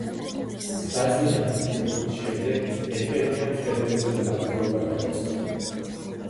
ცხრაწლიანი ქვრივობის შემდეგ ეფემიამ ხელმეორედ გათხოვება გადაწყვიტა.